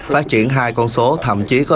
phát triển hai con số thậm chí có